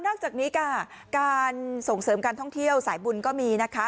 จากนี้ค่ะการส่งเสริมการท่องเที่ยวสายบุญก็มีนะคะ